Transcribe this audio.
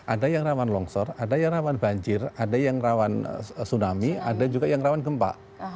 ada yang rawan longsor ada yang rawan banjir ada yang rawan tsunami ada juga yang rawan gempa